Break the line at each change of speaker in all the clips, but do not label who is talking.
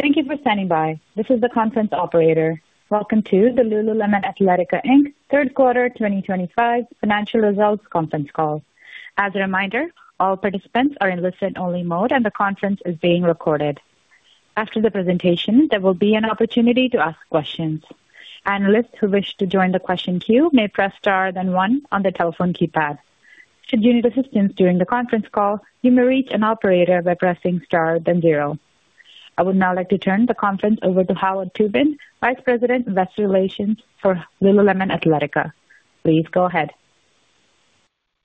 Thank you for standing by. This is the conference operator. Welcome to the Lululemon Athletica Inc. Third Quarter 2025 Financial Results Conference Call. As a reminder, all participants are in listen-only mode, and the conference is being recorded. After the presentation, there will be an opportunity to ask questions. Analysts who wish to join the question queue may press star then one on the telephone keypad. Should you need assistance during the conference call, you may reach an operator by pressing star then zero. I would now like to turn the conference over to Howard Tubin, Vice President, Investor Relations for Lululemon Athletica. Please go ahead.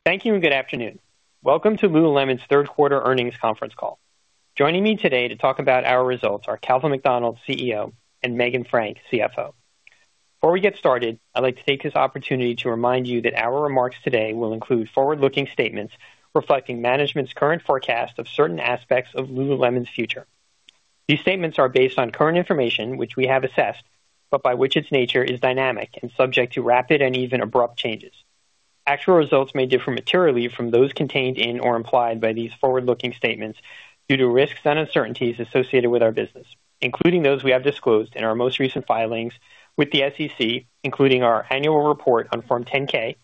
Thank you, and good afternoon. Welcome to Lululemon's Third Quarter Earnings Conference Call. Joining me today to talk about our results are Calvin McDonald, CEO, and Meghan Frank, CFO. Before we get started, I'd like to take this opportunity to remind you that our remarks today will include forward-looking statements reflecting management's current forecast of certain aspects of Lululemon's future. These statements are based on current information, which we have assessed, but by which its nature is dynamic and subject to rapid and even abrupt changes. Actual results may differ materially from those contained in or implied by these forward-looking statements due to risks and uncertainties associated with our business, including those we have disclosed in our most recent filings with the SEC, including our annual report on Form 10-K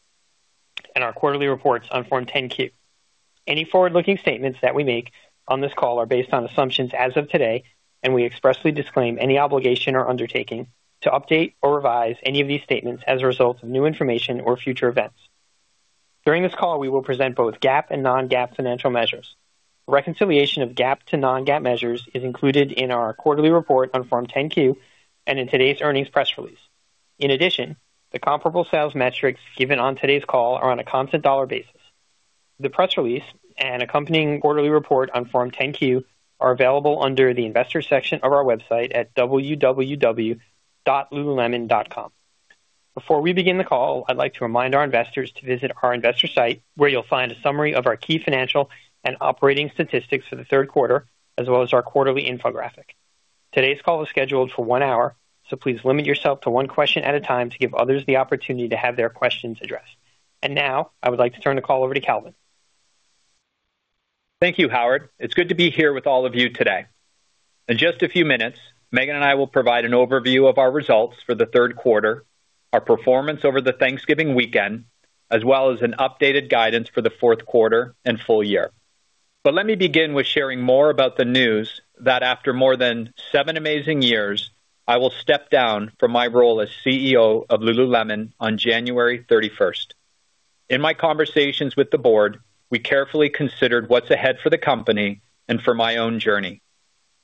and our quarterly reports on Form 10-Q. Any forward-looking statements that we make on this call are based on assumptions as of today, and we expressly disclaim any obligation or undertaking to update or revise any of these statements as a result of new information or future events. During this call, we will present both GAAP and non-GAAP financial measures. Reconciliation of GAAP to non-GAAP measures is included in our quarterly report on Form 10-Q and in today's earnings press release. In addition, the comparable sales metrics given on today's call are on a constant dollar basis. The press release and accompanying quarterly report on Form 10-Q are available under the Investor section of our website at www.lululemon.com. Before we begin the call, I'd like to remind our investors to visit our investor site, where you'll find a summary of our key financial and operating statistics for the third quarter, as well as our quarterly infographic. Today's call is scheduled for one hour, so please limit yourself to one question at a time to give others the opportunity to have their questions addressed. And now, I would like to turn the call over to Calvin.
Thank you, Howard. It's good to be here with all of you today. In just a few minutes, Meghan and I will provide an overview of our results for the third quarter, our performance over the Thanksgiving weekend, as well as an updated guidance for the fourth quarter and full year. But let me begin with sharing more about the news that after more than seven amazing years, I will step down from my role as CEO of Lululemon on January 31st. In my conversations with the board, we carefully considered what's ahead for the company and for my own journey.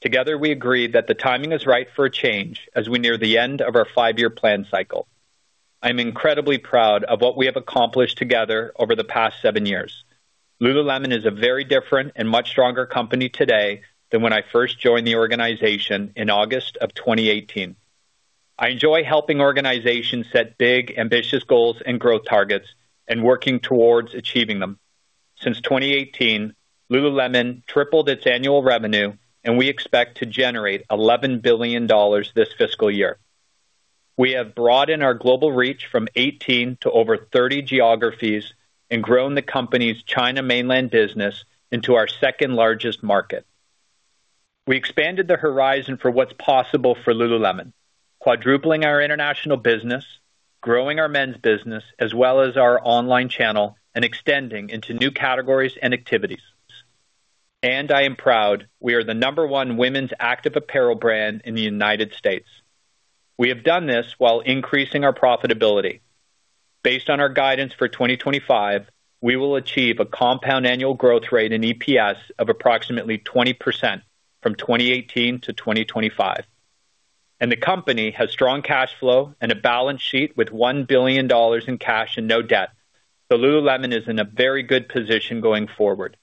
Together, we agreed that the timing is right for a change as we near the end of our five-year plan cycle. I'm incredibly proud of what we have accomplished together over the past seven years. Lululemon is a very different and much stronger company today than when I first joined the organization in August of 2018. I enjoy helping organizations set big, ambitious goals and growth targets and working towards achieving them. Since 2018, Lululemon tripled its annual revenue, and we expect to generate $11 billion this fiscal year. We have broadened our global reach from 18 to over 30 geographies and grown the company's China Mainland business into our second-largest market. We expanded the horizon for what's possible for Lululemon: quadrupling our international business, growing our men's business, as well as our online channel, and extending into new categories and activities. And I am proud we are the number one women's active apparel brand in the United States. We have done this while increasing our profitability. Based on our guidance for 2025, we will achieve a compound annual growth rate in EPS of approximately 20% from 2018 to 2025. And the company has strong cash flow and a balance sheet with $1 billion in cash and no debt. So Lululemon is in a very good position going forward.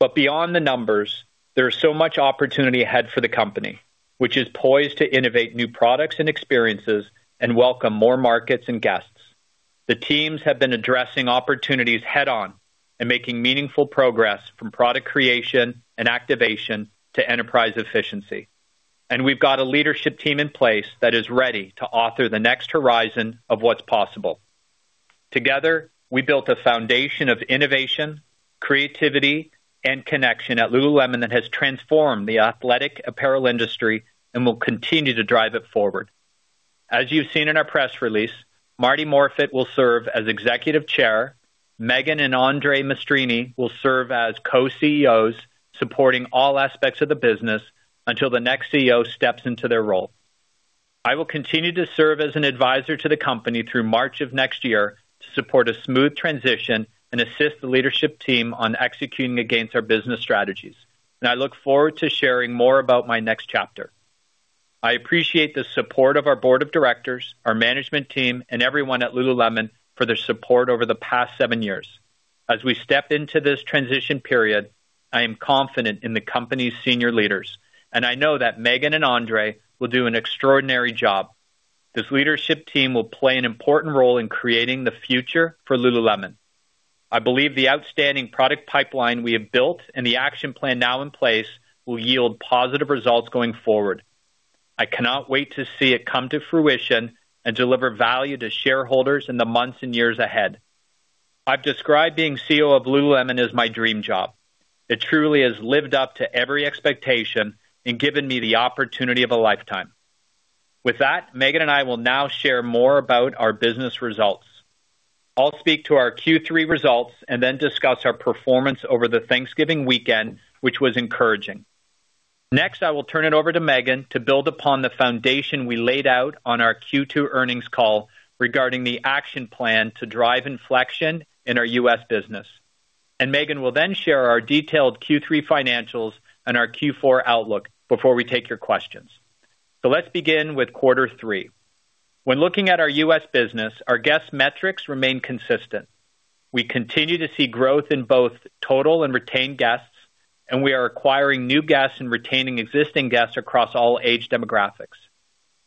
But beyond the numbers, there is so much opportunity ahead for the company, which is poised to innovate new products and experiences and welcome more markets and guests. The teams have been addressing opportunities head-on and making meaningful progress from product creation and activation to enterprise efficiency. And we've got a leadership team in place that is ready to author the next horizon of what's possible. Together, we built a foundation of innovation, creativity, and connection at Lululemon that has transformed the athletic apparel industry and will continue to drive it forward. As you've seen in our press release, Marti Morfitt will serve as Executive Chair. Meghan and André Maestrini will serve as co-CEOs, supporting all aspects of the business until the next CEO steps into their role. I will continue to serve as an advisor to the company through March of next year to support a smooth transition and assist the leadership team on executing against our business strategies, and I look forward to sharing more about my next chapter. I appreciate the support of our board of directors, our management team, and everyone at Lululemon for their support over the past seven years. As we step into this transition period, I am confident in the company's senior leaders, and I know that Meghan and André will do an extraordinary job. This leadership team will play an important role in creating the future for Lululemon. I believe the outstanding product pipeline we have built and the action plan now in place will yield positive results going forward. I cannot wait to see it come to fruition and deliver value to shareholders in the months and years ahead. I've described being CEO of Lululemon as my dream job. It truly has lived up to every expectation and given me the opportunity of a lifetime. With that, Meghan and I will now share more about our business results. I'll speak to our Q3 results and then discuss our performance over the Thanksgiving weekend, which was encouraging. Next, I will turn it over to Meghan to build upon the foundation we laid out on our Q2 earnings call regarding the action plan to drive inflection in our U.S. business, and Meghan will then share our detailed Q3 financials and our Q4 outlook before we take your questions. So let's begin with Quarter Three. When looking at our U.S. business, our guest metrics remain consistent. We continue to see growth in both total and retained guests, and we are acquiring new guests and retaining existing guests across all age demographics.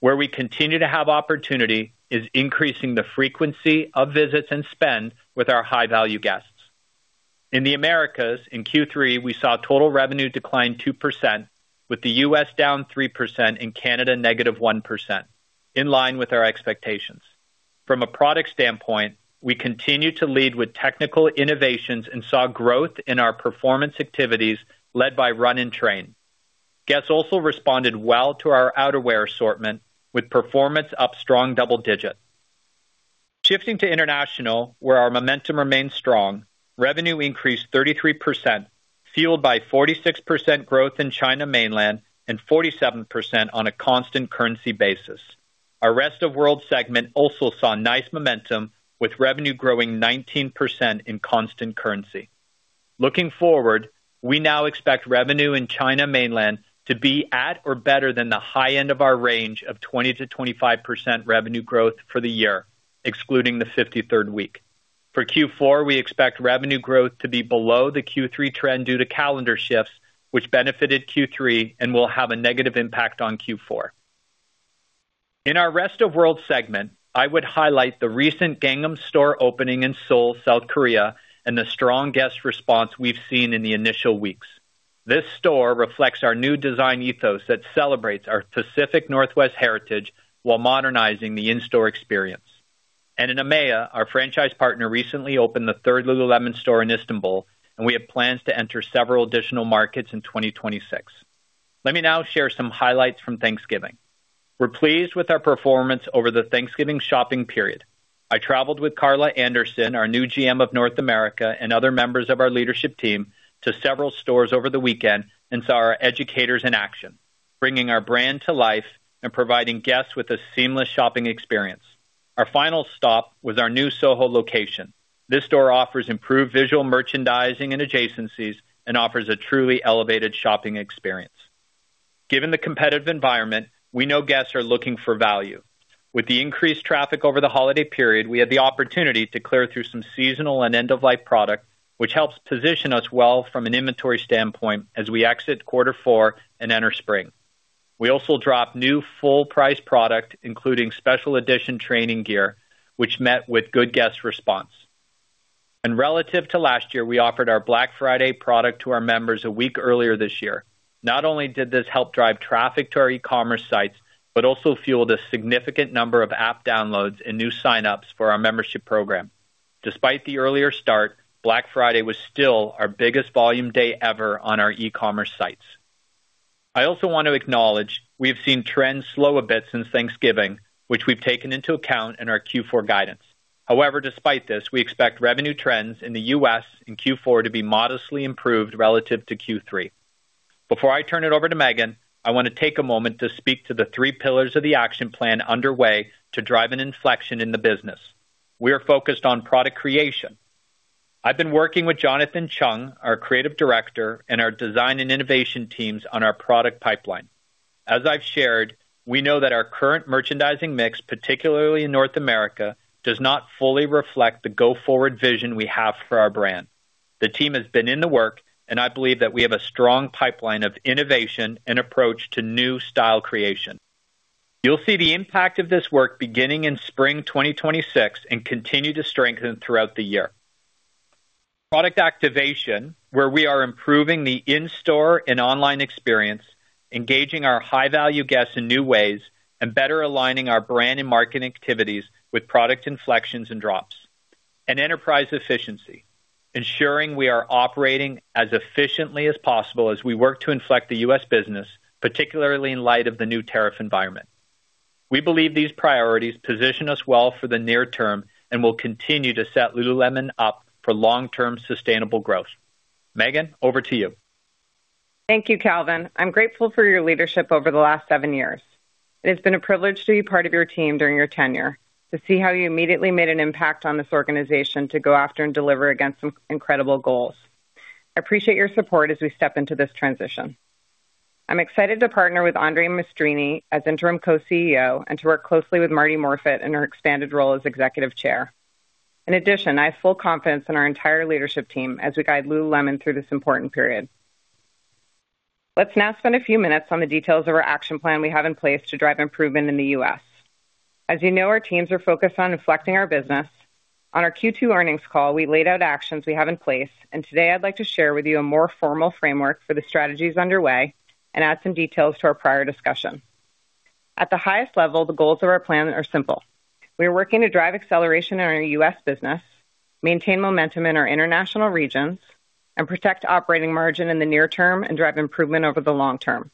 Where we continue to have opportunity is increasing the frequency of visits and spend with our high-value guests. In the Americas, in Q3, we saw total revenue decline 2%, with the U.S. down 3% and Canada negative 1%, in line with our expectations. From a product standpoint, we continue to lead with technical innovations and saw growth in our performance activities led by Run and Train. Guests also responded well to our outerwear assortment, with performance up strong double digits. Shifting to international, where our momentum remains strong, revenue increased 33%, fueled by 46% growth in China Mainland and 47% on a constant currency basis. Our rest of world segment also saw nice momentum, with revenue growing 19% in constant currency. Looking forward, we now expect revenue in China Mainland to be at or better than the high end of our range of 20%-25% revenue growth for the year, excluding the 53rd week. For Q4, we expect revenue growth to be below the Q3 trend due to calendar shifts, which benefited Q3 and will have a negative impact on Q4. In our rest of world segment, I would highlight the recent Gangnam store opening in Seoul, South Korea, and the strong guest response we've seen in the initial weeks. This store reflects our new design ethos that celebrates our Pacific Northwest heritage while modernizing the in-store experience, and in EMEA, our franchise partner recently opened the third Lululemon store in Istanbul, and we have plans to enter several additional markets in 2026. Let me now share some highlights from Thanksgiving. We're pleased with our performance over the Thanksgiving shopping period. I traveled with Carla Anderson, our new GM of North America, and other members of our leadership team to several stores over the weekend and saw our educators in action, bringing our brand to life and providing guests with a seamless shopping experience. Our final stop was our new SoHo location. This store offers improved visual merchandising and adjacencies and offers a truly elevated shopping experience. Given the competitive environment, we know guests are looking for value. With the increased traffic over the holiday period, we had the opportunity to clear through some seasonal and end-of-life product, which helps position us well from an inventory standpoint as we exit Quarter Four and enter spring. We also dropped new full-price product, including special edition training gear, which met with good guest response. Relative to last year, we offered our Black Friday product to our members a week earlier this year. Not only did this help drive traffic to our e-commerce sites, but also fueled a significant number of app downloads and new sign-ups for our membership program. Despite the earlier start, Black Friday was still our biggest volume day ever on our e-commerce sites. I also want to acknowledge we've seen trends slow a bit since Thanksgiving, which we've taken into account in our Q4 guidance. However, despite this, we expect revenue trends in the U.S. and Q4 to be modestly improved relative to Q3. Before I turn it over to Meghan, I want to take a moment to speak to the three pillars of the action plan underway to drive an inflection in the business. We are focused on product creation. I've been working with Jonathan Cheung, our creative director, and our design and innovation teams on our product pipeline. As I've shared, we know that our current merchandising mix, particularly in North America, does not fully reflect the go-forward vision we have for our brand. The team has been at work, and I believe that we have a strong pipeline of innovation and approach to new style creation. You'll see the impact of this work beginning in Spring 2026 and continue to strengthen throughout the year. Product activation, where we are improving the in-store and online experience, engaging our high-value guests in new ways, and better aligning our brand and marketing activities with product inflections and drops, and enterprise efficiency, ensuring we are operating as efficiently as possible as we work to inflect the U.S. business, particularly in light of the new tariff environment. We believe these priorities position us well for the near term and will continue to set Lululemon up for long-term sustainable growth. Meghan, over to you.
Thank you, Calvin. I'm grateful for your leadership over the last seven years. It has been a privilege to be part of your team during your tenure, to see how you immediately made an impact on this organization to go after and deliver against some incredible goals. I appreciate your support as we step into this transition. I'm excited to partner with André Maestrini as interim Co-CEO and to work closely with Marti Morfitt in her expanded role as Executive Chair. In addition, I have full confidence in our entire leadership team as we guide Lululemon through this important period. Let's now spend a few minutes on the details of our action plan we have in place to drive improvement in the U.S. As you know, our teams are focused on inflecting our business. On our Q2 earnings call, we laid out actions we have in place, and today I'd like to share with you a more formal framework for the strategies underway and add some details to our prior discussion. At the highest level, the goals of our plan are simple. We are working to drive acceleration in our U.S. business, maintain momentum in our international regions, and protect operating margin in the near term and drive improvement over the long term.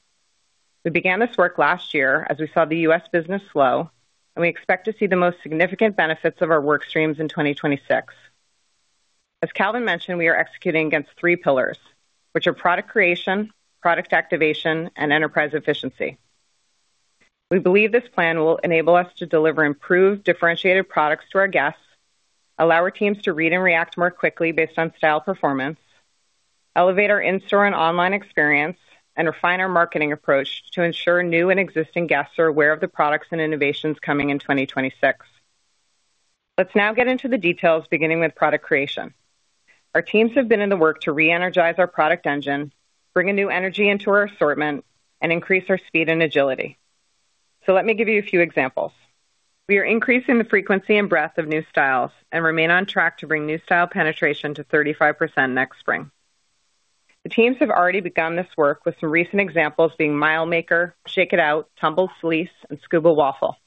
We began this work last year as we saw the U.S. business slow, and we expect to see the most significant benefits of our work streams in 2026. As Calvin mentioned, we are executing against three pillars, which are product creation, product activation, and enterprise efficiency. We believe this plan will enable us to deliver improved, differentiated products to our guests, allow our teams to read and react more quickly based on style performance, elevate our in-store and online experience, and refine our marketing approach to ensure new and existing guests are aware of the products and innovations coming in 2026. Let's now get into the details, beginning with product creation. Our teams have been at work to re-energize our product engine, bring a new energy into our assortment, and increase our speed and agility, so let me give you a few examples. We are increasing the frequency and breadth of new styles and remain on track to bring new style penetration to 35% next spring. The teams have already begun this work with some recent examples being Mile Maker, Shake It Out, Tumble Fleece, and Scuba Waffle.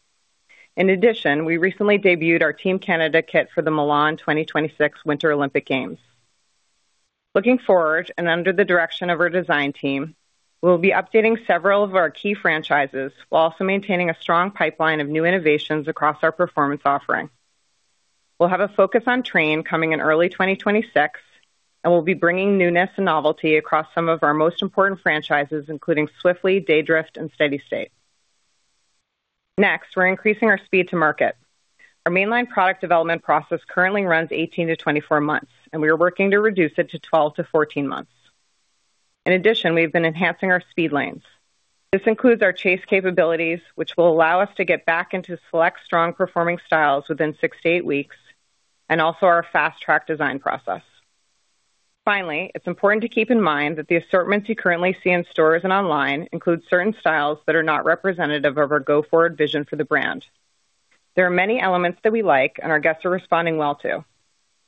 In addition, we recently debuted our Team Canada Kit for the Milan Cortina 2026 Winter Olympic Games. Looking forward and under the direction of our design team, we will be updating several of our key franchises while also maintaining a strong pipeline of new innovations across our performance offering. We'll have a focus on Train coming in early 2026, and we'll be bringing newness and novelty across some of our most important franchises, including Swiftly, Daydrift, and Steady State. Next, we're increasing our speed to market. Our mainline product development process currently runs 18-24 months, and we are working to reduce it to 12-14 months. In addition, we have been enhancing our speed lanes. This includes our chase capabilities, which will allow us to get back into select strong-performing styles within six to eight weeks, and also our fast-track design process. Finally, it's important to keep in mind that the assortments you currently see in stores and online include certain styles that are not representative of our go-forward vision for the brand. There are many elements that we like and our guests are responding well to.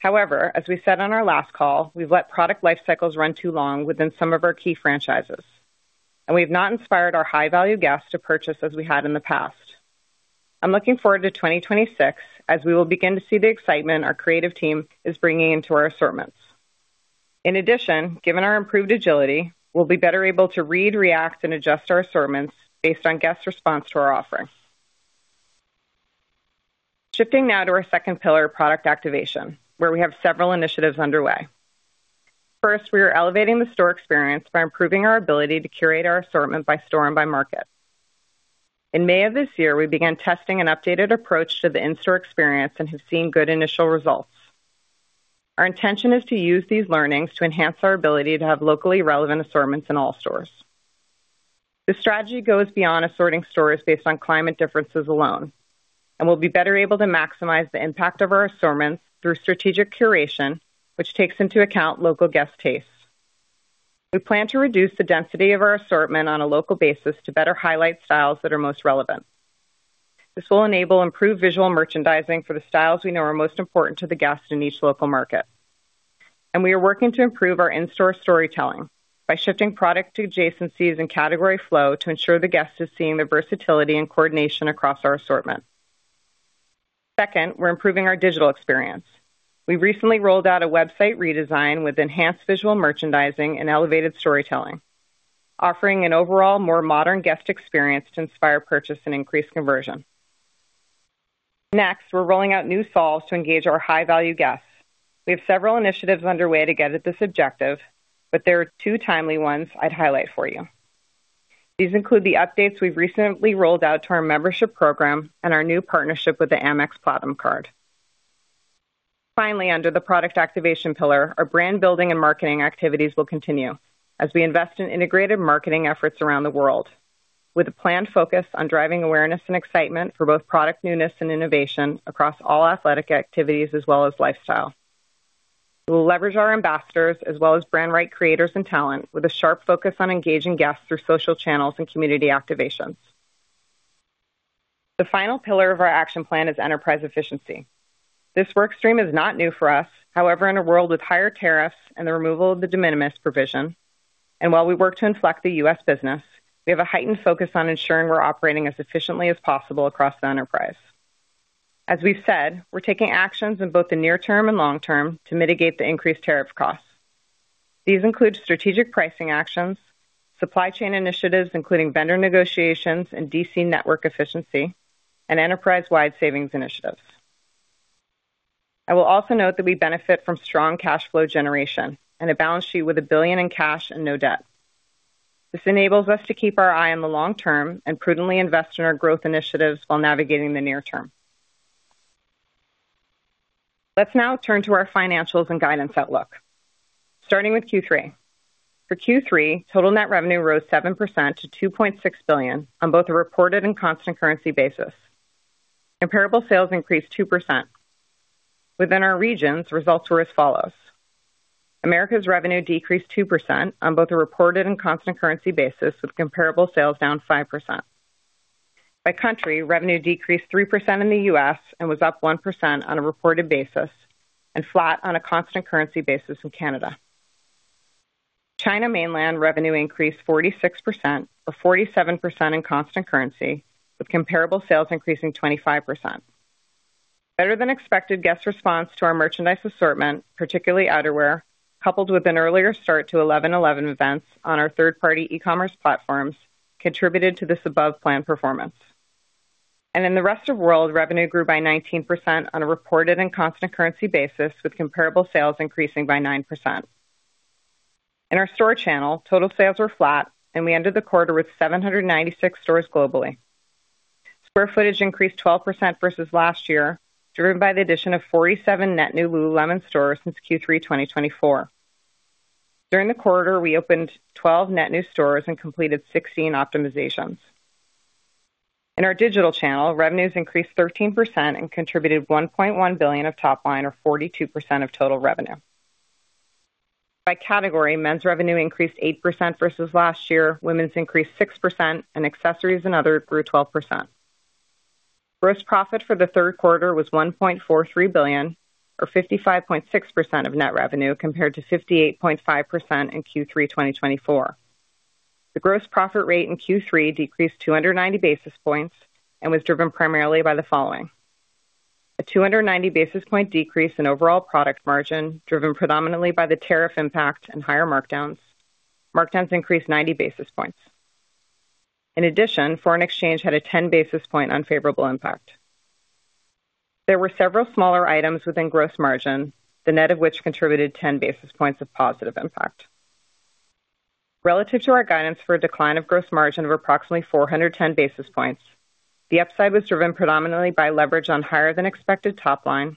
However, as we said on our last call, we've let product lifecycles run too long within some of our key franchises, and we have not inspired our high-value guests to purchase as we had in the past. I'm looking forward to 2026 as we will begin to see the excitement our creative team is bringing into our assortments. In addition, given our improved agility, we'll be better able to read, react, and adjust our assortments based on guest response to our offering. Shifting now to our second pillar, product activation, where we have several initiatives underway. First, we are elevating the store experience by improving our ability to curate our assortment by store and by market. In May of this year, we began testing an updated approach to the in-store experience and have seen good initial results. Our intention is to use these learnings to enhance our ability to have locally relevant assortments in all stores. The strategy goes beyond assorting stores based on climate differences alone, and we'll be better able to maximize the impact of our assortments through strategic curation, which takes into account local guest tastes. We plan to reduce the density of our assortment on a local basis to better highlight styles that are most relevant. This will enable improved visual merchandising for the styles we know are most important to the guest in each local market. We are working to improve our in-store storytelling by shifting product adjacencies and category flow to ensure the guest is seeing the versatility and coordination across our assortment. Second, we're improving our digital experience. We recently rolled out a website redesign with enhanced visual merchandising and elevated storytelling, offering an overall more modern guest experience to inspire purchase and increase conversion. Next, we're rolling out new solves to engage our high-value guests. We have several initiatives underway to get at this objective, but there are two timely ones I'd highlight for you. These include the updates we've recently rolled out to our membership program and our new partnership with the Amex Platinum Card. Finally, under the product activation pillar, our brand building and marketing activities will continue as we invest in integrated marketing efforts around the world, with a planned focus on driving awareness and excitement for both product newness and innovation across all athletic activities as well as lifestyle. We'll leverage our ambassadors as well as brand right creators and talent with a sharp focus on engaging guests through social channels and community activations. The final pillar of our action plan is enterprise efficiency. This work stream is not new for us, however, in a world with higher tariffs and the removal of the de minimis provision, and while we work to inflect the U.S. business, we have a heightened focus on ensuring we're operating as efficiently as possible across the enterprise. As we've said, we're taking actions in both the near term and long term to mitigate the increased tariff costs. These include strategic pricing actions, supply chain initiatives including vendor negotiations and DC network efficiency, and enterprise-wide savings initiatives. I will also note that we benefit from strong cash flow generation and a balance sheet with $1 billion in cash and no debt. This enables us to keep our eye on the long term and prudently invest in our growth initiatives while navigating the near term. Let's now turn to our financials and guidance outlook, starting with Q3. For Q3, total net revenue rose 7% to $2.6 billion on both a reported and constant currency basis. Comparable sales increased 2%. Within our regions, results were as follows. Americas revenue decreased 2% on both a reported and constant currency basis, with comparable sales down 5%. By country, revenue decreased 3% in the U.S. and was up 1% on a reported basis and flat on a constant currency basis in Canada. China Mainland revenue increased 46%, or 47% in constant currency, with comparable sales increasing 25%. Better than expected guest response to our merchandise assortment, particularly outerwear, coupled with an earlier start to 11/11 events on our third-party e-commerce platforms, contributed to this above-planned performance, and in the rest of the world, revenue grew by 19% on a reported and constant currency basis, with comparable sales increasing by 9%. In our store channel, total sales were flat, and we ended the quarter with 796 stores globally. Square footage increased 12% versus last year, driven by the addition of 47 net new Lululemon stores since Q3 2024. During the quarter, we opened 12 net new stores and completed 16 optimizations. In our digital channel, revenues increased 13% and contributed $1.1 billion of top line, or 42% of total revenue. By category, men's revenue increased 8% versus last year. Women's increased 6%, and accessories and other grew 12%. Gross profit for the third quarter was $1.43 billion, or 55.6% of net revenue, compared to 58.5% in Q3 2024. The gross profit rate in Q3 decreased 290 basis points and was driven primarily by the following. A 290 basis point decrease in overall product margin, driven predominantly by the tariff impact and higher markdowns, markdowns increased 90 basis points. In addition, foreign exchange had a 10 basis point unfavorable impact. There were several smaller items within gross margin, the net of which contributed 10 basis points of positive impact. Relative to our guidance for a decline of gross margin of approximately 410 basis points, the upside was driven predominantly by leverage on higher-than-expected top line,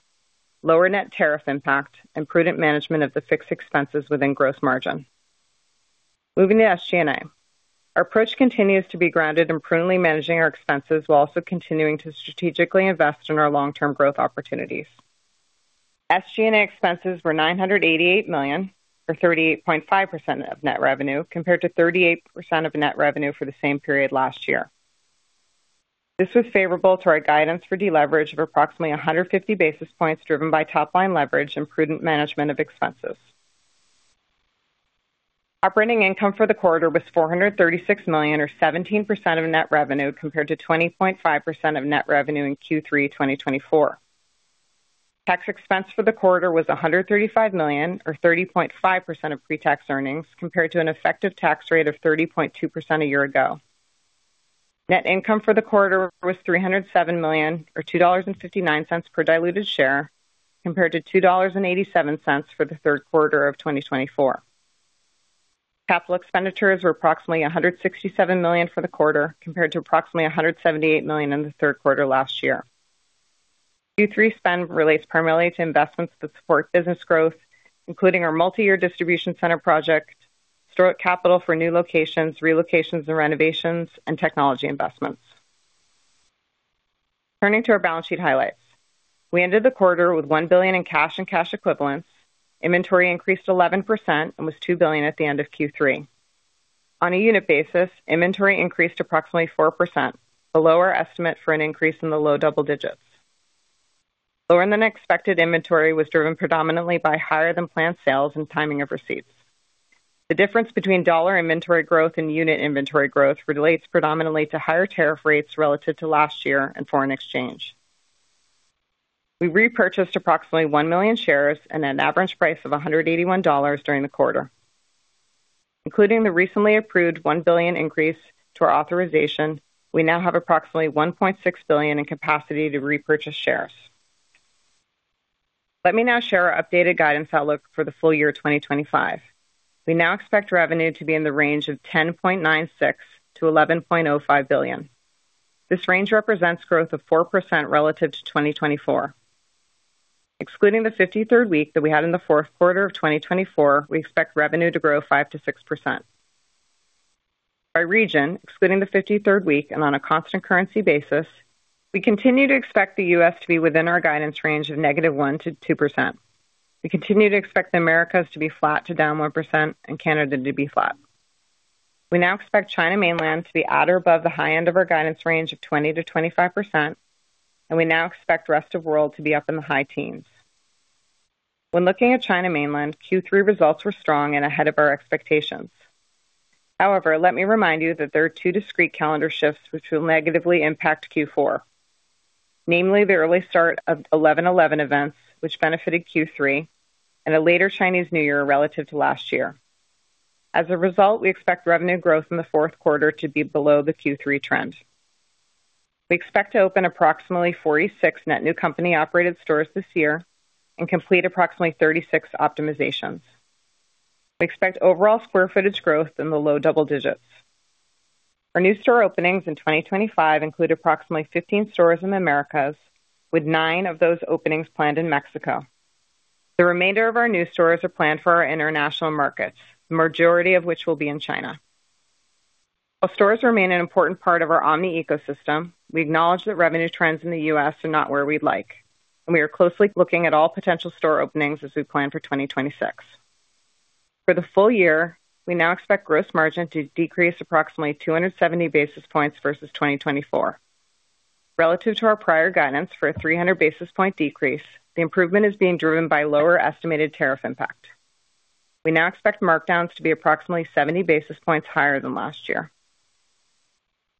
lower net tariff impact, and prudent management of the fixed expenses within gross margin. Moving to SG&A, our approach continues to be grounded in prudently managing our expenses while also continuing to strategically invest in our long-term growth opportunities. SG&A expenses were $988 million, or 38.5% of net revenue, compared to 38% of net revenue for the same period last year. This was favorable to our guidance for deleverage of approximately 150 basis points, driven by top line leverage and prudent management of expenses. Operating income for the quarter was $436 million, or 17% of net revenue, compared to 20.5% of net revenue in Q3 2024. Tax expense for the quarter was $135 million, or 30.5% of pre-tax earnings, compared to an effective tax rate of 30.2% a year ago. Net income for the quarter was $307 million, or $2.59 per diluted share, compared to $2.87 for the third quarter of 2024. Capital expenditures were approximately $167 million for the quarter, compared to approximately $178 million in the third quarter last year. Q3 spend relates primarily to investments that support business growth, including our multi-year distribution center project, store capital for new locations, relocations, and renovations, and technology investments. Turning to our balance sheet highlights, we ended the quarter with $1 billion in cash and cash equivalents. Inventory increased 11% and was $2 billion at the end of Q3. On a unit basis, inventory increased approximately 4%, below our estimate for an increase in the low double digits. Lower than expected, inventory was driven predominantly by higher-than-planned sales and timing of receipts. The difference between dollar inventory growth and unit inventory growth relates predominantly to higher tariff rates relative to last year and foreign exchange. We repurchased approximately 1 million shares at an average price of $181 during the quarter. Including the recently approved $1 billion increase to our authorization, we now have approximately $1.6 billion in capacity to repurchase shares. Let me now share our updated guidance outlook for the full year 2025. We now expect revenue to be in the range of $10.96-$11.05 billion. This range represents growth of 4% relative to 2024. Excluding the 53rd week that we had in the fourth quarter of 2024, we expect revenue to grow 5%-6%. By region, excluding the 53rd week and on a constant currency basis, we continue to expect the U.S. to be within our guidance range of -1% to 2%. We continue to expect the Americas to be flat to down 1% and Canada to be flat. We now expect China Mainland to be at or above the high end of our guidance range of 20% to 25%, and we now expect the rest of the world to be up in the high teens. When looking at China Mainland, Q3 results were strong and ahead of our expectations. However, let me remind you that there are two discrete calendar shifts which will negatively impact Q4, namely the early start of 11/11 events, which benefited Q3, and a later Chinese New Year relative to last year. As a result, we expect revenue growth in the fourth quarter to be below the Q3 trend. We expect to open approximately 46 net new company-operated stores this year and complete approximately 36 optimizations. We expect overall square footage growth in the low double digits. Our new store openings in 2025 include approximately 15 stores in the Americas, with nine of those openings planned in Mexico. The remainder of our new stores are planned for our international markets, the majority of which will be in China. While stores remain an important part of our omni ecosystem, we acknowledge that revenue trends in the U.S. are not where we'd like, and we are closely looking at all potential store openings as we plan for 2026. For the full year, we now expect gross margin to decrease approximately 270 basis points versus 2024. Relative to our prior guidance for a 300 basis point decrease, the improvement is being driven by lower estimated tariff impact. We now expect markdowns to be approximately 70 basis points higher than last year.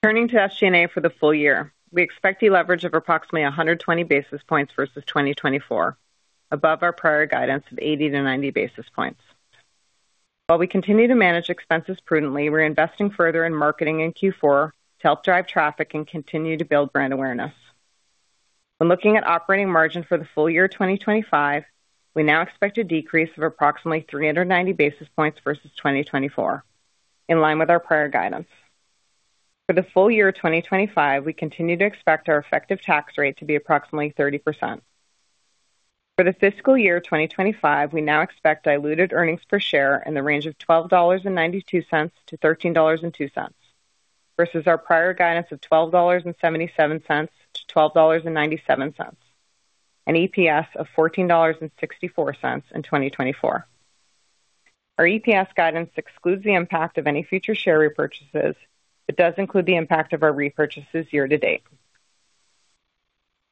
Turning to SG&A for the full year, we expect the leverage of approximately 120 basis points versus 2024, above our prior guidance of 80 to 90 basis points. While we continue to manage expenses prudently, we're investing further in marketing in Q4 to help drive traffic and continue to build brand awareness. When looking at operating margin for the full year 2025, we now expect a decrease of approximately 390 basis points versus 2024, in line with our prior guidance. For the full year 2025, we continue to expect our effective tax rate to be approximately 30%. For the fiscal year 2025, we now expect diluted earnings per share in the range of $12.92-$13.02 versus our prior guidance of $12.77-$12.97, an EPS of $14.64 in 2024. Our EPS guidance excludes the impact of any future share repurchases, but does include the impact of our repurchases year to date.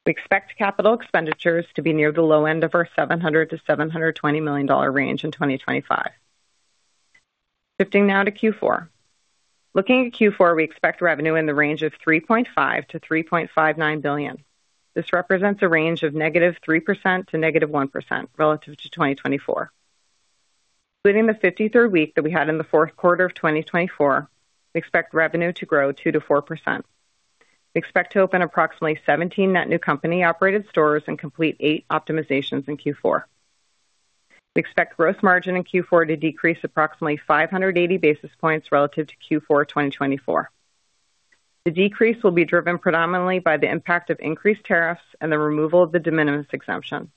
We expect capital expenditures to be near the low end of our $700 million-$720 million range in 2025. Shifting now to Q4. Looking at Q4, we expect revenue in the range of $3.5 billion-$3.59 billion. This represents a range of negative 3% to negative 1% relative to 2024. Including the 53rd week that we had in the fourth quarter of 2024, we expect revenue to grow 2% to 4%. We expect to open approximately 17 net new company-operated stores and complete eight optimizations in Q4. We expect gross margin in Q4 to decrease approximately 580 basis points relative to Q4 2024. The decrease will be driven predominantly by the impact of increased tariffs and the removal of the de minimis exemption,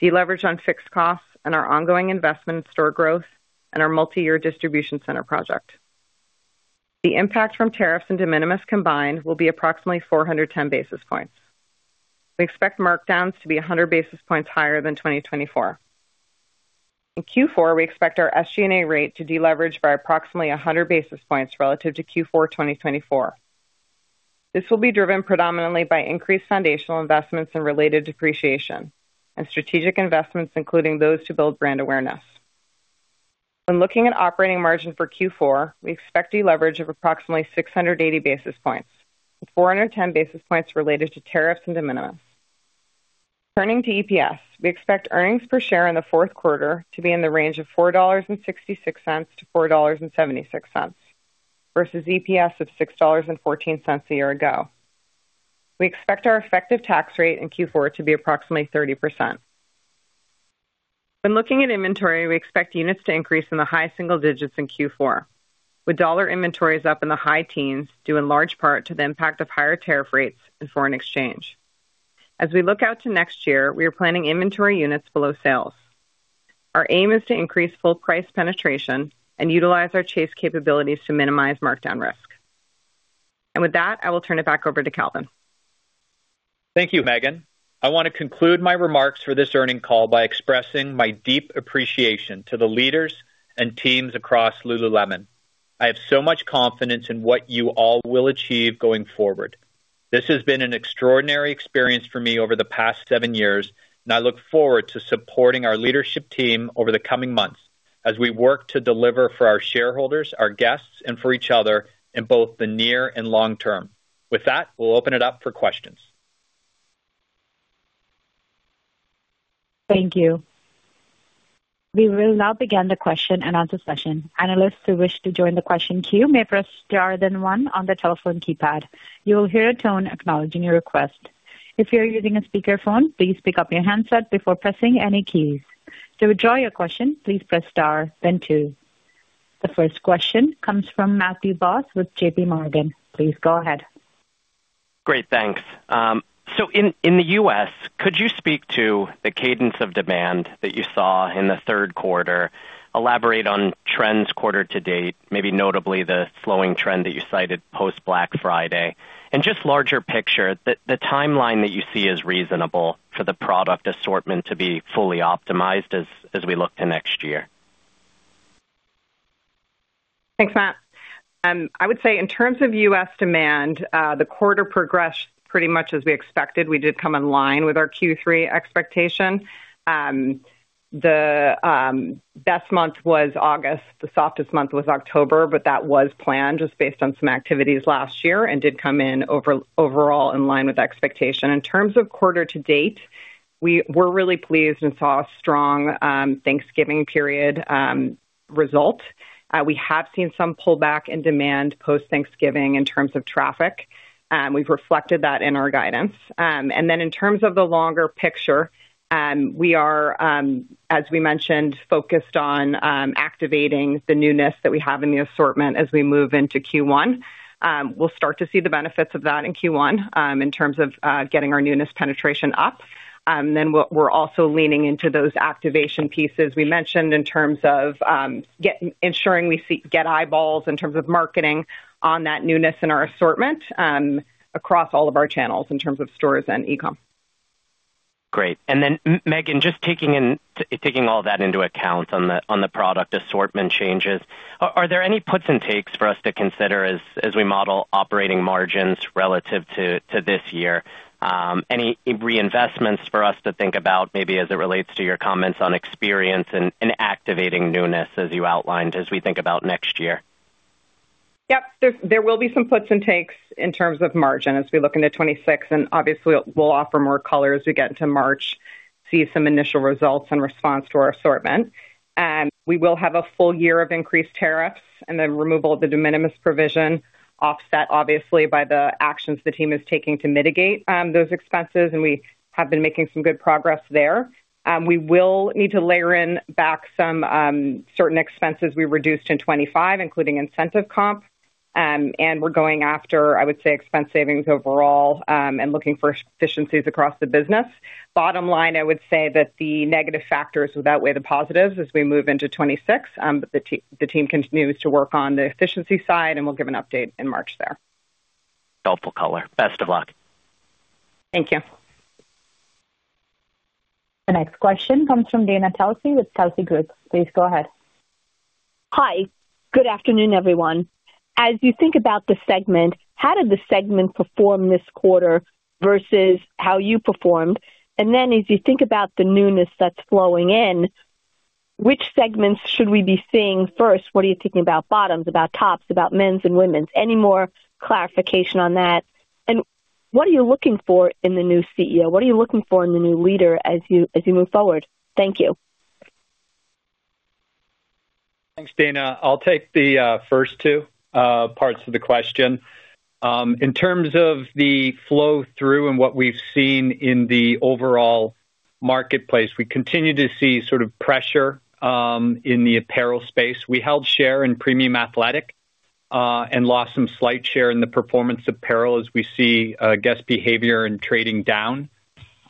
deleverage on fixed costs, and our ongoing investment in store growth and our multi-year distribution center project. The impact from tariffs and de minimis combined will be approximately 410 basis points. We expect markdowns to be 100 basis points higher than 2024. In Q4, we expect our SG&A rate to deleverage by approximately 100 basis points relative to Q4 2024. This will be driven predominantly by increased foundational investments and related depreciation, and strategic investments, including those to build brand awareness. When looking at operating margin for Q4, we expect deleverage of approximately 680 basis points, with 410 basis points related to tariffs and de minimis. Turning to EPS, we expect earnings per share in the fourth quarter to be in the range of $4.66-$4.76 versus EPS of $6.14 a year ago. We expect our effective tax rate in Q4 to be approximately 30%. When looking at inventory, we expect units to increase in the high single digits in Q4, with dollar inventories up in the high teens due in large part to the impact of higher tariff rates and foreign exchange. As we look out to next year, we are planning inventory units below sales. Our aim is to increase full price penetration and utilize our chase capabilities to minimize markdown risk. And with that, I will turn it back over to Calvin.
Thank you, Meghan. I want to conclude my remarks for this earnings call by expressing my deep appreciation to the leaders and teams across Lululemon. I have so much confidence in what you all will achieve going forward. This has been an extraordinary experience for me over the past seven years, and I look forward to supporting our leadership team over the coming months as we work to deliver for our shareholders, our guests, and for each other in both the near and long term. With that, we'll open it up for questions.
Thank you. We will now begin the question and answer session. Analysts who wish to join the question queue may press star then one on the telephone keypad. You will hear a tone acknowledging your request. If you're using a speakerphone, please pick up your handset before pressing any keys. To withdraw your question, please press star then two. The first question comes from Matthew Boss with J.P. Morgan. Please go ahead.
Great, thanks. So in the U.S., could you speak to the cadence of demand that you saw in the third quarter, elaborate on trends quarter to date, maybe notably the slowing trend that you cited post-Black Friday, and just larger picture, the timeline that you see as reasonable for the product assortment to be fully optimized as we look to next year?
Thanks, Matt. I would say in terms of U.S. demand, the quarter progressed pretty much as we expected. We did come in line with our Q3 expectation. The best month was August. The softest month was October, but that was planned just based on some activities last year and did come in overall in line with expectation. In terms of quarter to date, we were really pleased and saw a strong Thanksgiving period result. We have seen some pullback in demand post-Thanksgiving in terms of traffic. We've reflected that in our guidance. And then in terms of the longer picture, we are, as we mentioned, focused on activating the newness that we have in the assortment as we move into Q1. We'll start to see the benefits of that in Q1 in terms of getting our newness penetration up. Then we're also leaning into those activation pieces we mentioned in terms of ensuring we get eyeballs in terms of marketing on that newness in our assortment across all of our channels in terms of stores and e-comm.
Great. And then, Meghan, just taking all that into account on the product assortment changes, are there any puts and takes for us to consider as we model operating margins relative to this year?
Any reinvestments for us to think about maybe as it relates to your comments on experience and activating newness, as you outlined, as we think about next year? Yep, there will be some puts and takes in terms of margin as we look into 2026, and obviously, we'll offer more color as we get into March, see some initial results in response to our assortment. We will have a full year of increased tariffs and the removal of the de minimis provision, offset obviously by the actions the team is taking to mitigate those expenses, and we have been making some good progress there. We will need to layer in back some certain expenses we reduced in 2025, including incentive comp, and we're going after, I would say, expense savings overall and looking for efficiencies across the business. Bottom line, I would say that the negative factors will outweigh the positives as we move into 2026, but the team continues to work on the efficiency side, and we'll give an update in March there.
Helpful color. Best of luck.
Thank you.
The next question comes from Dana Telsey with Telsey Group. Please go ahead.
Hi. Good afternoon, everyone. As you think about the segment, how did the segment perform this quarter versus how you performed? And then as you think about the newness that's flowing in, which segments should we be seeing first? What are you thinking about bottoms, about tops, about men's and women's? Any more clarification on that? And what are you looking for in the new CEO? What are you looking for in the new leader as you move forward? Thank you.
Thanks, Dana. I'll take the first two parts of the question. In terms of the flow through and what we've seen in the overall marketplace, we continue to see sort of pressure in the apparel space. We held share in premium athletic and lost some slight share in the performance apparel as we see guest behavior and trading down.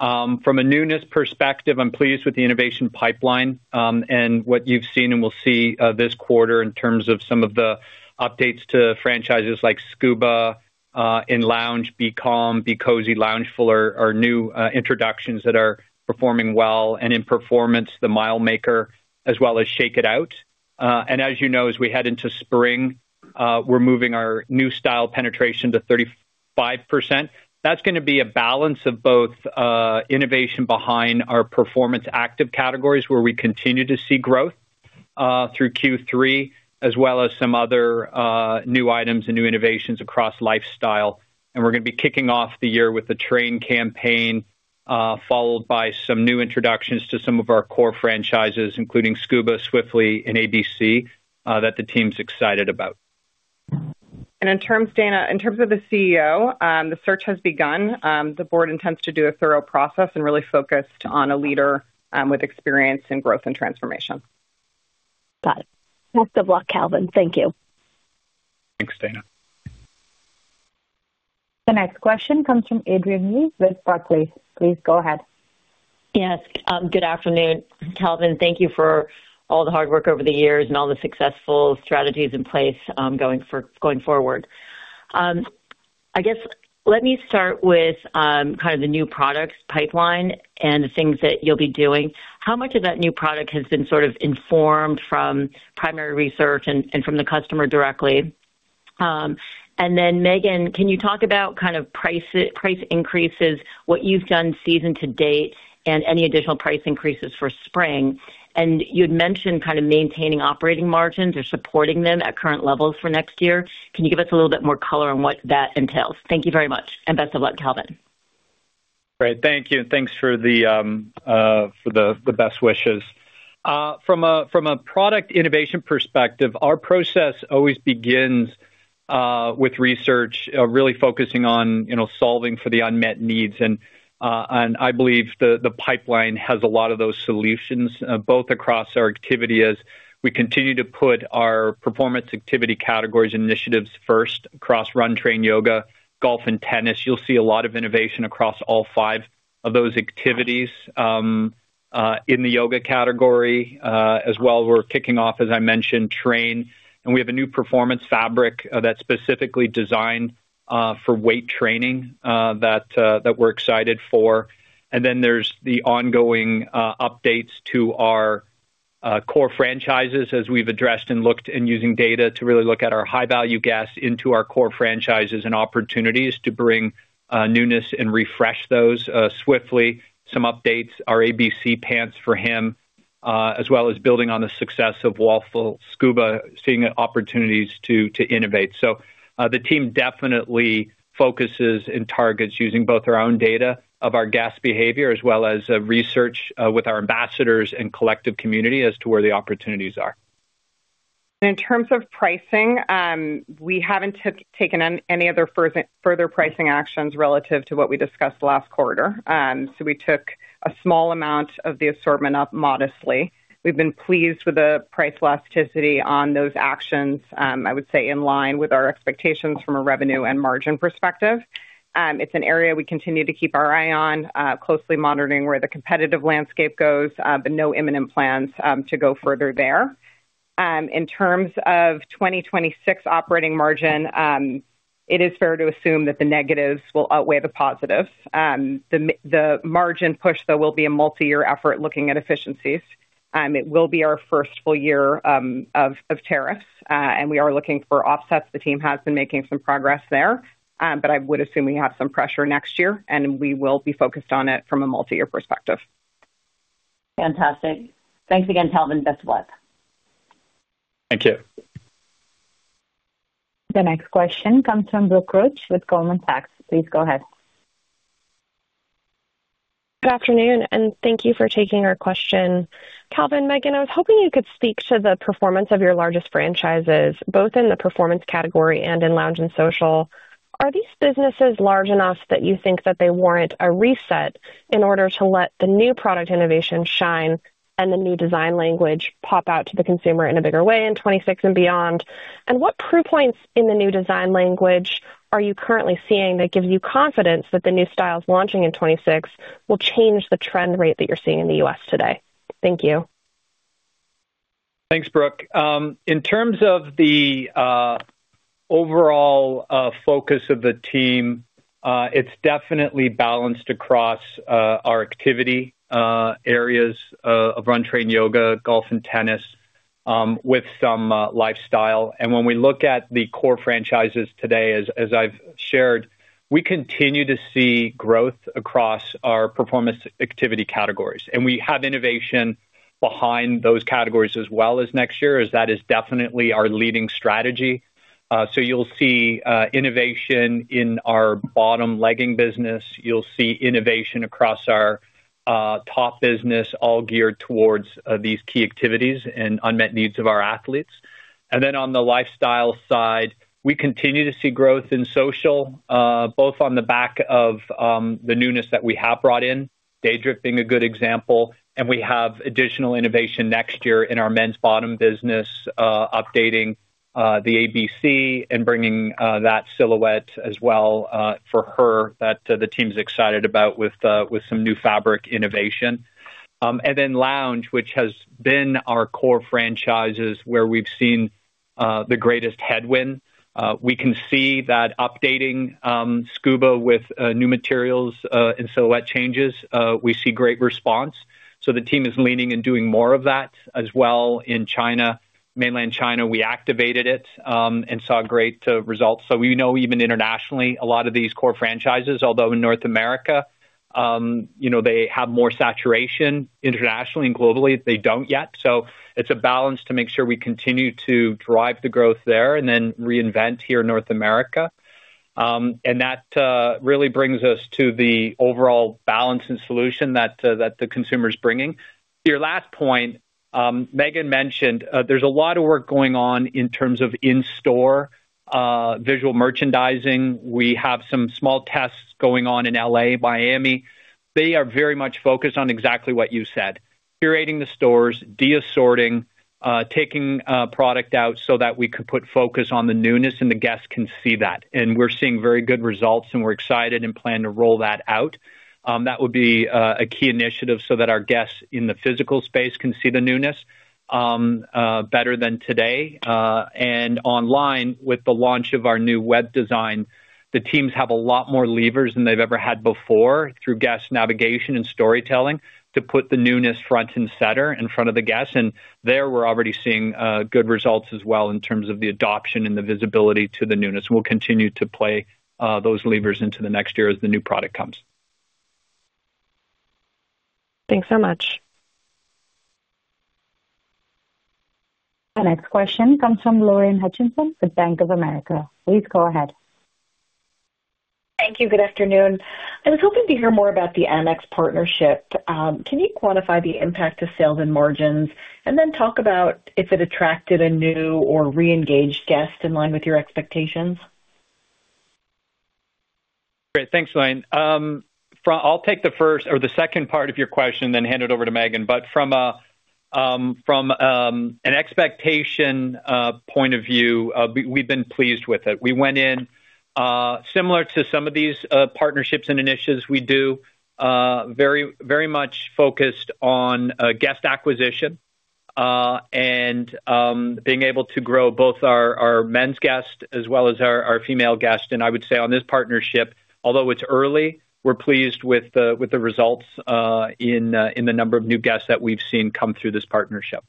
From a newness perspective, I'm pleased with the innovation pipeline and what you've seen and will see this quarter in terms of some of the updates to franchises like Scuba, In Lounge, Be Calm, Be Cozy, Loungeful, our new introductions that are performing well, and in performance, The Mile Maker, as well as Shake It Out, and as you know, as we head into spring, we're moving our new style penetration to 35%. That's going to be a balance of both innovation behind our performance active categories where we continue to see growth through Q3, as well as some other new items and new innovations across lifestyle. We're going to be kicking off the year with a train campaign followed by some new introductions to some of our core franchises, including Scuba, Swiftly, and ABC, that the team's excited about.
In terms of the CEO, the search has begun. The board intends to do a thorough process and really focus on a leader with experience in growth and transformation. Got it. Best of luck, Calvin. Thank you.
Thanks, Dana.
The next question comes from Adrienne Yih with Barclays. Please go ahead. Yes. Good afternoon, Calvin. Thank you for all the hard work over the years and all the successful strategies in place going forward.
I guess let me start with kind of the new product pipeline and the things that you'll be doing. How much of that new product has been sort of informed from primary research and from the customer directly? And then, Meghan, can you talk about kind of price increases, what you've done season to date, and any additional price increases for spring? And you had mentioned kind of maintaining operating margins or supporting them at current levels for next year. Can you give us a little bit more color on what that entails? Thank you very much and best of luck, Calvin.
Great. Thank you and thanks for the best wishes. From a product innovation perspective, our process always begins with research, really focusing on solving for the unmet needs. And I believe the pipeline has a lot of those solutions, both across our activity as we continue to put our performance activity categories and initiatives first across run, train, yoga, golf, and tennis. You'll see a lot of innovation across all five of those activities in the yoga category as well. We're kicking off, as I mentioned, train. And we have a new performance fabric that's specifically designed for weight training that we're excited for. And then there's the ongoing updates to our core franchises as we've addressed and looked and using data to really look at our high-value guests into our core franchises and opportunities to bring newness and refresh those Swiftly. Some updates, our ABC pants for him, as well as building on the success of Loungeful, Scuba, seeing opportunities to innovate. The team definitely focuses and targets using both our own data of our guest behavior as well as research with our ambassadors and collective community as to where the opportunities are.
In terms of pricing, we haven't taken any other further pricing actions relative to what we discussed last quarter. We took a small amount of the assortment up modestly. We've been pleased with the price elasticity on those actions, I would say, in line with our expectations from a revenue and margin perspective. It's an area we continue to keep our eye on, closely monitoring where the competitive landscape goes, but no imminent plans to go further there. In terms of 2026 operating margin, it is fair to assume that the negatives will outweigh the positives. The margin push, though, will be a multi-year effort looking at efficiencies. It will be our first full year of tariffs, and we are looking for offsets. The team has been making some progress there, but I would assume we have some pressure next year, and we will be focused on it from a multi-year perspective.
Fantastic. Thanks again, Calvin. Best of luck.
Thank you.
The next question comes from Brooke Roach with Goldman Sachs. Please go ahead.
Good afternoon, and thank you for taking our question. Calvin, Meghan, I was hoping you could speak to the performance of your largest franchises, both in the performance category and in lounge and social. Are these businesses large enough that you think that they warrant a reset in order to let the new product innovation shine and the new design language pop out to the consumer in a bigger way in 2026 and beyond? What proof points in the new design language are you currently seeing that gives you confidence that the new styles launching in 2026 will change the trend rate that you're seeing in the U.S. today? Thank you.
Thanks, Brooke. In terms of the overall focus of the team, it's definitely balanced across our activity areas of run, train, yoga, golf, and tennis with some lifestyle. And when we look at the core franchises today, as I've shared, we continue to see growth across our performance activity categories. And we have innovation behind those categories as well as next year, as that is definitely our leading strategy. So you'll see innovation in our bottom legging business. You'll see innovation across our top business, all geared towards these key activities and unmet needs of our athletes. And then on the lifestyle side, we continue to see growth in social, both on the back of the newness that we have brought in, Daydrift a good example. We have additional innovation next year in our men's bottom business, updating the ABC and bringing that silhouette as well for her that the team's excited about with some new fabric innovation. Lounge, which has been our core franchises where we've seen the greatest headwind. We can see that updating Scuba with new materials and silhouette changes, we see great response. The team is leaning and doing more of that as well in China Mainland. We activated it and saw great results. We know even internationally, a lot of these core franchises, although in North America, they have more saturation internationally and globally, they don't yet. It's a balance to make sure we continue to drive the growth there and then reinvent here in North America. That really brings us to the overall balance and solution that the consumer's bringing. To your last point, Meghan mentioned there's a lot of work going on in terms of in-store visual merchandising. We have some small tests going on in LA, Miami. They are very much focused on exactly what you said: curating the stores, de-assorting, taking product out so that we could put focus on the newness and the guests can see that. We're seeing very good results, and we're excited and plan to roll that out. That would be a key initiative so that our guests in the physical space can see the newness better than today. And online with the launch of our new web design, the teams have a lot more levers than they've ever had before through guest navigation and storytelling to put the newness front and center in front of the guests. And there we're already seeing good results as well in terms of the adoption and the visibility to the newness. We'll continue to play those levers into the next year as the new product comes.
Thanks so much.
The next question comes from Lorraine Hutchinson with Bank of America. Please go ahead.
Thank you. Good afternoon. I was hoping to hear more about the Amex partnership. Can you quantify the impact of sales and margins and then talk about if it attracted a new or re-engaged guest in line with your expectations?
Great. Thanks, Lorraine. I'll take the first or the second part of your question and then hand it over to Meghan. But from an expectation point of view, we've been pleased with it. We went in similar to some of these partnerships and initiatives we do, very much focused on guest acquisition and being able to grow both our men's guest as well as our female guest. And I would say on this partnership, although it's early, we're pleased with the results in the number of new guests that we've seen come through this partnership.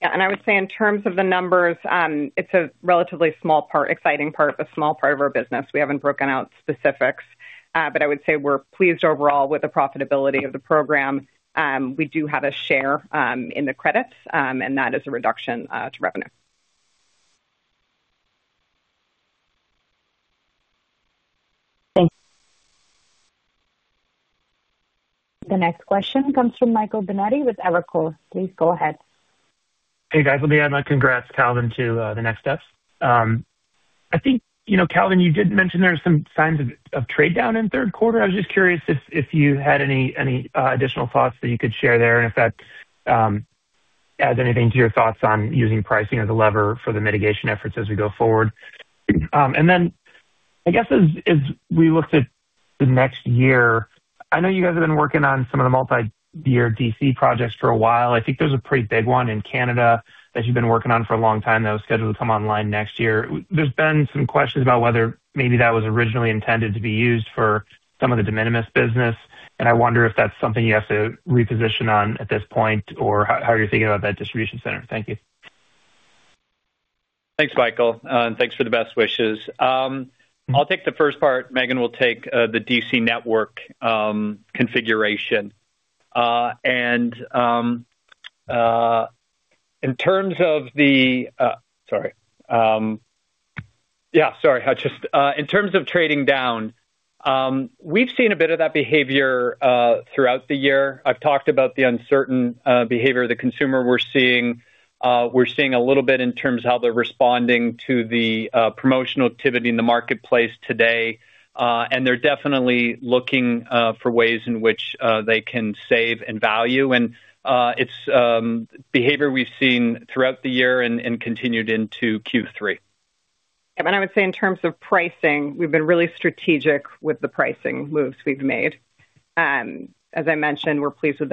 Yeah.
And I would say in terms of the numbers, it's a relatively small part, exciting part, but small part of our business. We haven't broken out specifics, but I would say we're pleased overall with the profitability of the program. We do have a share in the credits, and that is a reduction to revenue.
Thanks.
The next question comes from Michael Binetti with Evercore. Please go ahead.
Hey, guys. Let me add my congrats, Calvin, to the next steps. I think, Calvin, you did mention there were some signs of trade down in third quarter. I was just curious if you had any additional thoughts that you could share there and if that adds anything to your thoughts on using pricing as a lever for the mitigation efforts as we go forward. And then I guess as we look to the next year, I know you guys have been working on some of the multi-year DC projects for a while. I think there's a pretty big one in Canada that you've been working on for a long time that was scheduled to come online next year. There's been some questions about whether maybe that was originally intended to be used for some of the de minimis business. And I wonder if that's something you have to reposition on at this point or how you're thinking about that distribution center. Thank you.
Thanks, Michael. And thanks for the best wishes. I'll take the first part. Meghan will take the DC network configuration. And in terms of trading down, we've seen a bit of that behavior throughout the year. I've talked about the uncertain behavior of the consumer we're seeing. We're seeing a little bit in terms of how they're responding to the promotional activity in the marketplace today. And they're definitely looking for ways in which they can save and value. And it's behavior we've seen throughout the year and continued into Q3.
I would say in terms of pricing, we've been really strategic with the pricing moves we've made. As I mentioned, we're pleased with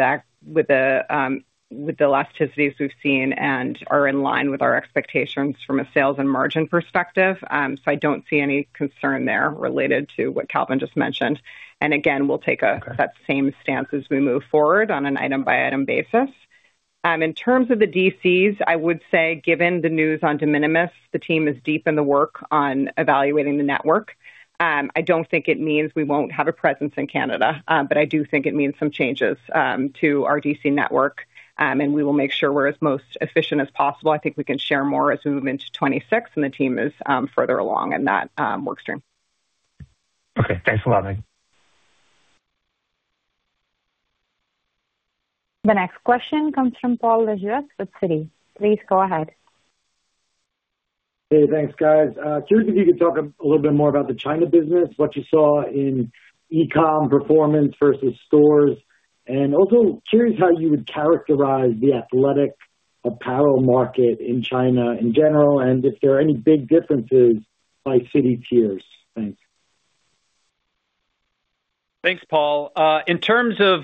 the elasticities we've seen and are in line with our expectations from a sales and margin perspective. So I don't see any concern there related to what Calvin just mentioned. Again, we'll take that same stance as we move forward on an item-by-item basis. In terms of the DCs, I would say given the news on de minimis, the team is deep in the work on evaluating the network. I don't think it means we won't have a presence in Canada, but I do think it means some changes to our DC network, and we will make sure we're as most efficient as possible. I think we can share more as we move into 2026, and the team is further along in that workstream. Okay.
Thanks a lot, Meghan.
The next question comes from Paul Lejuez with Citi. Please go ahead.
Hey, thanks, guys. Curious if you could talk a little bit more about the China business, what you saw in e-comm performance versus stores. And also curious how you would characterize the athletic apparel market in China in general and if there are any big differences by city tiers. Thanks.
Thanks, Paul. In terms of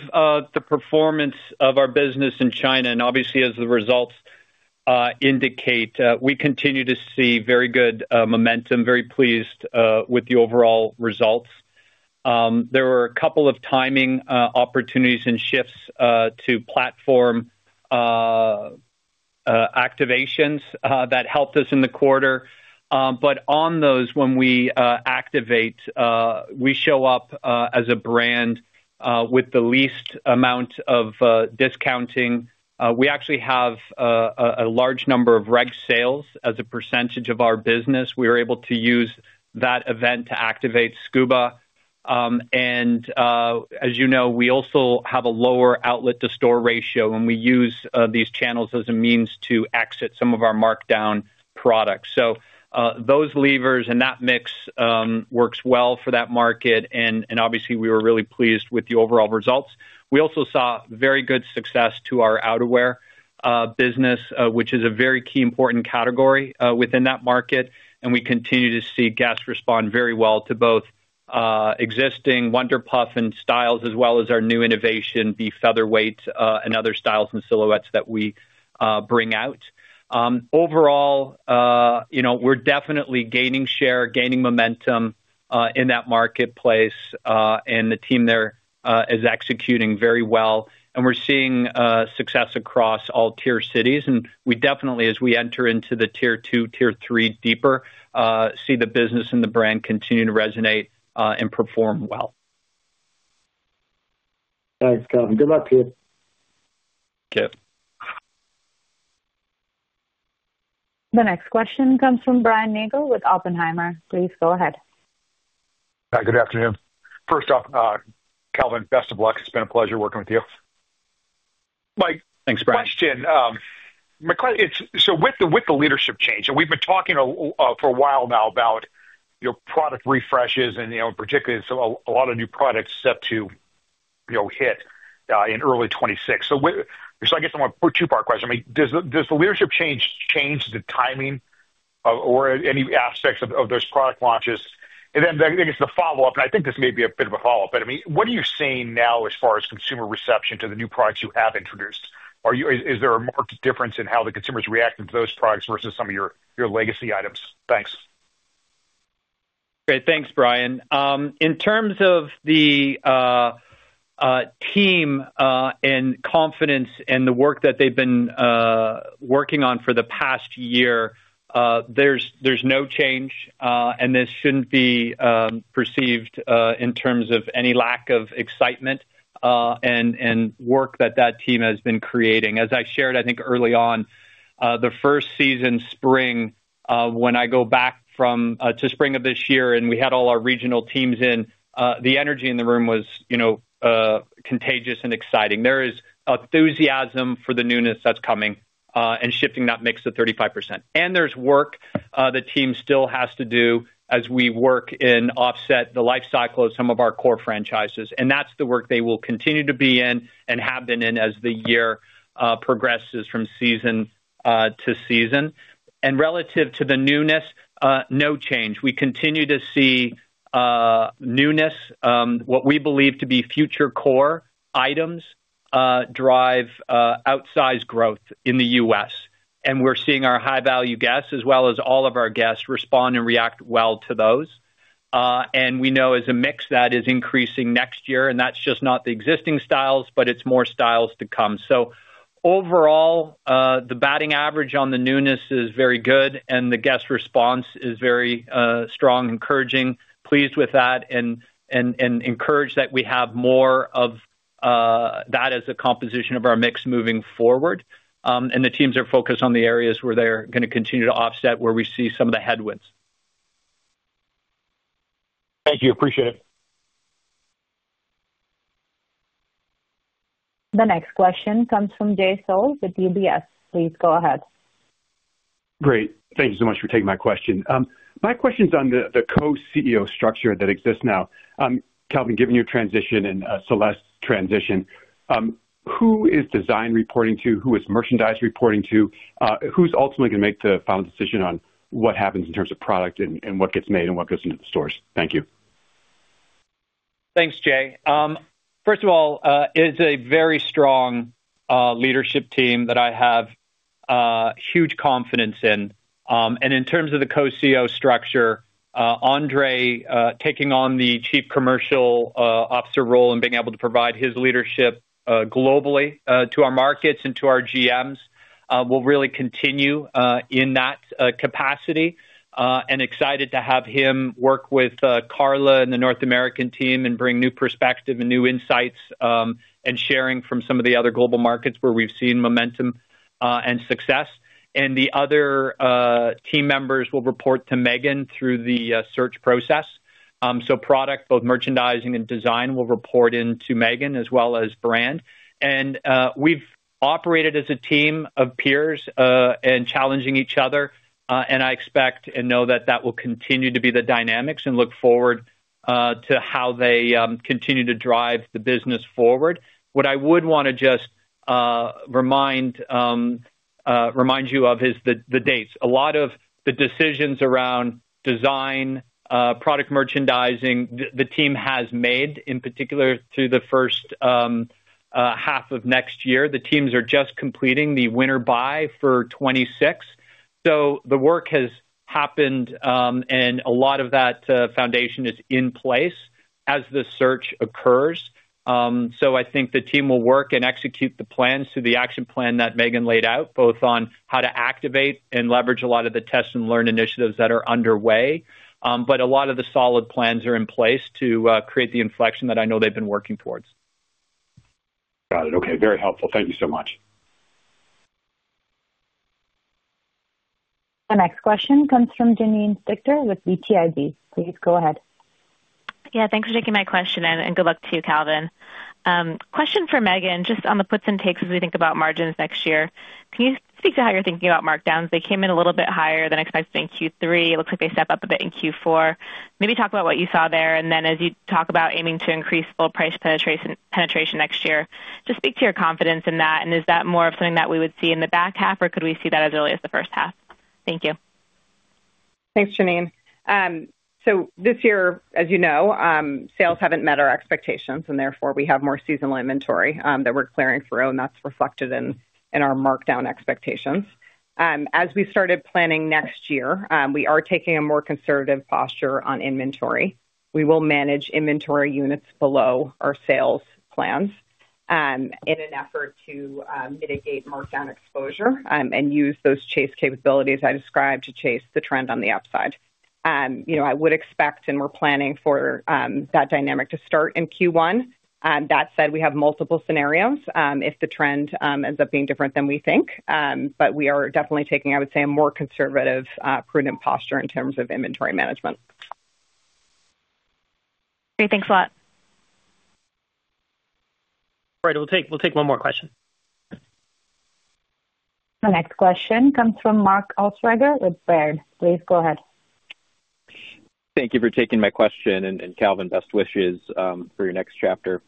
the performance of our business in China, and obviously as the results indicate, we continue to see very good momentum, very pleased with the overall results. There were a couple of timing opportunities and shifts to platform activations that helped us in the quarter. But on those, when we activate, we show up as a brand with the least amount of discounting. We actually have a large number of reg sales as a percentage of our business. We were able to use that event to activate Scuba. And as you know, we also have a lower outlet-to-store ratio, and we use these channels as a means to exit some of our markdown products. So those levers and that mix works well for that market. And obviously, we were really pleased with the overall results. We also saw very good success to our outerwear business, which is a very key important category within that market. And we continue to see guests respond very well to both existing Wunder Puff and styles as well as our new innovation, the Featherweight and other styles and silhouettes that we bring out. Overall, we're definitely gaining share, gaining momentum in that marketplace, and the team there is executing very well. And we're seeing success across all tier cities. And we definitely, as we enter into the tier two, tier three deeper, see the business and the brand continue to resonate and perform well. Thanks, Calvin. Good luck, Pete. Thank you. The next question comes from Brian Nagel with Oppenheimer. Please go ahead.
Hi, good afternoon. First off, Calvin, best of luck. It's been a pleasure working with you. Mike. Thanks, Brian. Question. So with the leadership change, and we've been talking for a while now about product refreshes and particularly a lot of new products set to hit in early 2026. So I guess I'm going to put a two-part question. Does the leadership change change the timing or any aspects of those product launches? And then I guess the follow-up, and I think this may be a bit of a follow-up, but I mean, what are you seeing now as far as consumer reception to the new products you have introduced? Is there a marked difference in how the consumer's reacting to those products versus some of your legacy items? Thanks. Great.
Thanks, Brian. In terms of the team and confidence and the work that they've been working on for the past year, there's no change, and this shouldn't be perceived in terms of any lack of excitement and work that that team has been creating. As I shared, I think early on, the first season spring, when I go back to spring of this year and we had all our regional teams in, the energy in the room was contagious and exciting. There is enthusiasm for the newness that's coming and shifting that mix to 35%. And there's work the team still has to do as we work and offset the life cycle of some of our core franchises. And that's the work they will continue to be in and have been in as the year progresses from season to season. And relative to the newness, no change. We continue to see newness, what we believe to be future core items, drive outsized growth in the U.S. And we're seeing our high-value guests as well as all of our guests respond and react well to those. And we know as a mix that is increasing next year, and that's just not the existing styles, but it's more styles to come. So overall, the batting average on the newness is very good, and the guest response is very strong, encouraging. Pleased with that, and encouraged that we have more of that as a composition of our mix moving forward. And the teams are focused on the areas where they're going to continue to offset where we see some of the headwinds.
Thank you. Appreciate it.
The next question comes from Jay Sole with UBS. Please go ahead.
Great. Thank you so much for taking my question. My question's on the co-CEO structure that exists now. Calvin, given your transition and Celeste's transition, who is design reporting to? Who is merchandise reporting to? Who's ultimately going to make the final decision on what happens in terms of product and what gets made and what goes into the stores? Thank you.
Thanks, Jay. First of all, it's a very strong leadership team that I have huge confidence in. And in terms of the co-CEO structure, André taking on the Chief Commercial Officer role and being able to provide his leadership globally to our markets and to our GMs will really continue in that capacity. And excited to have him work with Carla and the North American team and bring new perspective and new insights and sharing from some of the other global markets where we've seen momentum and success. And the other team members will report to Meghan through the search process. So product, both merchandising and design, will report in to Meghan as well as Brand. And we've operated as a team of peers and challenging each other. And I expect and know that that will continue to be the dynamics and look forward to how they continue to drive the business forward. What I would want to just remind you of is the dates. A lot of the decisions around design, product merchandising, the team has made, in particular through the first half of next year. The teams are just completing the winter buy for 2026. So the work has happened, and a lot of that foundation is in place as the search occurs. So I think the team will work and execute the plans through the action plan that Meghan laid out, both on how to activate and leverage a lot of the test and learn initiatives that are underway. But a lot of the solid plans are in place to create the inflection that I know they've been working towards.
Got it. Okay. Very helpful. Thank you so much.
The next question comes from Janine Stichter with BTIG. Please go ahead.
Yeah. Thanks for taking my question, and good luck to you, Calvin. Question for Meghan, just on the puts and takes as we think about margins next year. Can you speak to how you're thinking about markdowns? They came in a little bit higher than expected in Q3. It looks like they step up a bit in Q4. Maybe talk about what you saw there. And then as you talk about aiming to increase full price penetration next year, just speak to your confidence in that. And is that more of something that we would see in the back half, or could we see that as early as the first half? Thank you.
Thanks, Janine. So this year, as you know, sales haven't met our expectations, and therefore we have more seasonal inventory that we're clearing through, and that's reflected in our markdown expectations. As we started planning next year, we are taking a more conservative posture on inventory. We will manage inventory units below our sales plans in an effort to mitigate markdown exposure and use those chase capabilities I described to chase the trend on the upside. I would expect and we're planning for that dynamic to start in Q1. That said, we have multiple scenarios if the trend ends up being different than we think. But we are definitely taking, I would say, a more conservative, prudent posture in terms of inventory management. Great.
Thanks a lot. All right.
We'll take one more question.
The next question comes from Mark Altschwager with Baird. Please go ahead.
Thank you for taking my question, and Calvin, best wishes for your next chapter.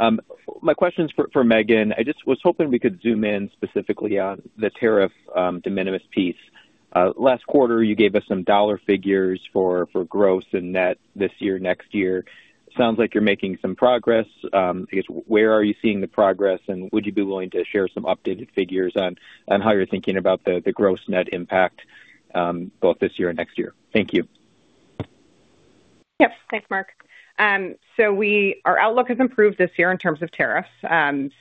My question's for Meghan. I just was hoping we could zoom in specifically on the tariff de minimis piece. Last quarter, you gave us some dollar figures for gross and net this year, next year. Sounds like you're making some progress. I guess, where are you seeing the progress, and would you be willing to share some updated figures on how you're thinking about the gross net impact both this year and next year? Thank you.
Yep. Thanks, Mark. So our outlook has improved this year in terms of tariffs.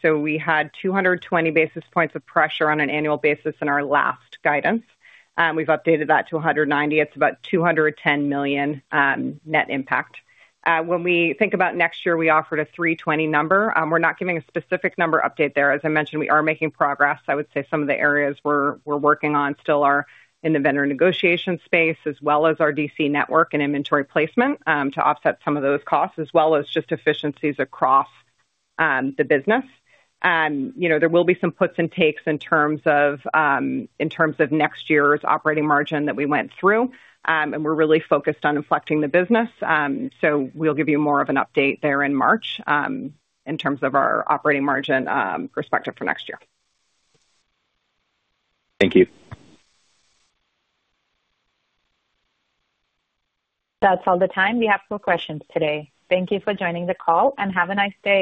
So we had 220 basis points of pressure on an annual basis in our last guidance. We've updated that to 190. It's about $210 million net impact. When we think about next year, we offered a 320 number. We're not giving a specific number update there. As I mentioned, we are making progress. I would say some of the areas we're working on still are in the vendor negotiation space as well as our DC network and inventory placement to offset some of those costs as well as just efficiencies across the business. There will be some puts and takes in terms of next year's operating margin that we went through, and we're really focused on inflecting the business. So we'll give you more of an update there in March in terms of our operating margin perspective for next year.
Thank you. That's all the time. We have some questions today. Thank you for joining the call, and have a nice day.